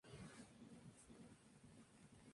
Civilización Romana: Partida de los Arenales.